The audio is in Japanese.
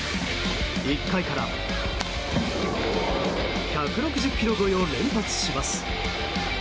１回から１６０キロ超を連発します。